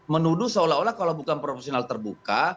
menuduh seolah olah kalau bukan proporsional terbuka